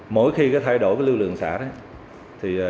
mỗi khi thay đổi lưu lượng xả